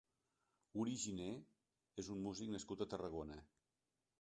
Uri Giné és un músic nascut a Tarragona.